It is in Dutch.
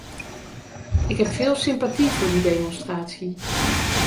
Ik heb veel sympathie voor die demonstratie.